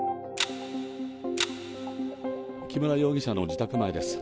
木村容疑者の自宅前です。